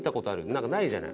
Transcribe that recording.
なんかないじゃない。